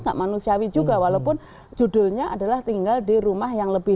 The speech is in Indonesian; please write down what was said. tak manusiawi juga walaupun judulnya adalah tinggal di rumah yang lebih